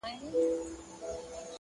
وخت د ژمنو رښتینولي ښکاره کوي!